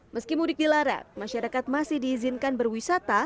meski mudik dilarat masyarakat masih diizinkan berwisata